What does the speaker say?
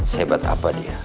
sebat apa dia